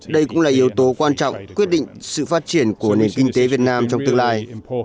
đây cũng là yếu tố quan trọng quyết định sự phát triển của nền kinh tế việt nam trong tương lai